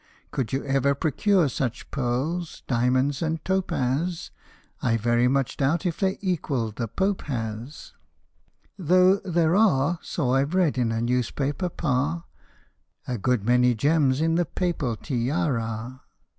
Could you ever procure such pearls, diamonds, and top az : I very much doubt if their equal the Pope has ; Though there are (so I Ve read in a newspaper par.) a Good many gems in the papal tiara